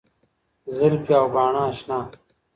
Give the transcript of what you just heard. زلفي او باڼه اشنـا